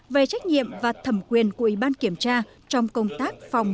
về trách nhiệm và thẩm quyền của ủy ban kiểm tra trong công tác phòng